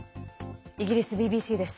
イギリスＢＢＣです。